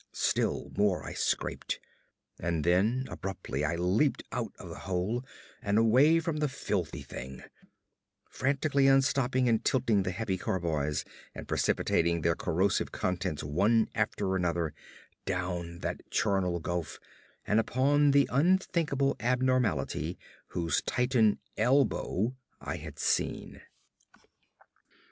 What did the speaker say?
Still more I scraped, and then abruptly I leaped out of the hole and away from the filthy thing; frantically unstopping and tilting the heavy carboys, and precipitating their corrosive contents one after another down that charnel gulf and upon the unthinkable abnormality whose titan elbow I had seen.